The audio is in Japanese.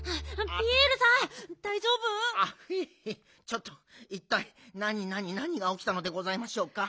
ちょっといったいなになになにがおきたのでございましょうか？